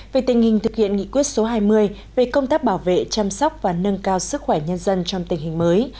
về tình hình thực hiện nghị quyết số hai mươi về công tác bảo vệ chăm sóc và nâng cao sức khỏe nhân dân trong tình hình mới